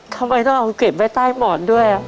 ทำไมต้องเอาเก็บไว้ใต้หมอนด้วย